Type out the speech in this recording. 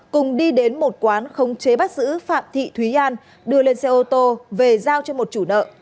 cùng đi đến một quán không chế bắt giữ phạm thị thúy an đưa lên xe ô tô về giao cho một chủ nợ